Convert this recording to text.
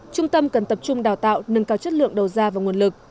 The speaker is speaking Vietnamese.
trung tâm cần tập trung đào tạo nâng cao chất lượng đầu gia và nguồn lực